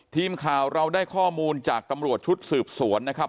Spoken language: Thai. ทีมข่าวเราได้ข้อมูลจากตำรวจชุดสืบสวนนะครับ